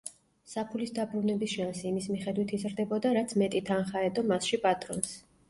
საფულის დაბრუნების შანსი იმის მიხედვით იზრდებოდა, რაც მეტი თანხა ედო მასში „პატრონს“.